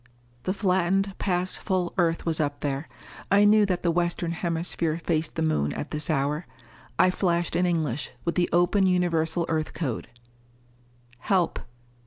The flattened past full Earth was up there. I knew that the Western Hemisphere faced the Moon at this hour. I flashed in English, with the open Universal Earth code: _Help.